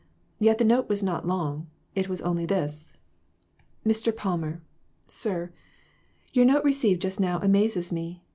Yet the note was not long ; it was only this : MR. PALMER : Sir: Your note received just now amazes me.